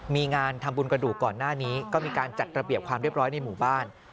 มีงานทำบุญกระดูกก่อนหน้านี้ก็มีการจัดระเบียบความเรียบร้อยในหมู่บ้าน